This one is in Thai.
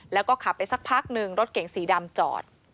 แล้วก็ขับไปสักพักหนึ่งรถเก๋งสีดำจอด